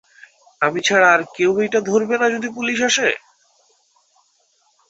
আমি ছাড়া আর কেউ এইটা ধরবেনা যদি পুলিশ আসে?